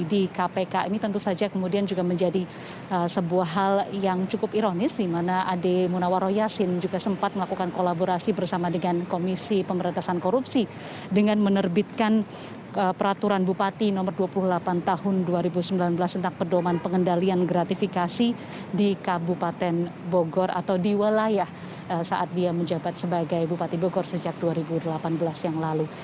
di kpk ini tentu saja kemudian juga menjadi sebuah hal yang cukup ironis dimana ade munawarro yasin juga sempat melakukan kolaborasi bersama dengan komisi pemerintasan korupsi dengan menerbitkan peraturan bupati nomor dua puluh delapan tahun dua ribu sembilan belas tentang pedoman pengendalian gratifikasi di kabupaten bogor atau di wilayah saat dia menjabat sebagai bupati bogor sejak dua ribu delapan belas yang lalu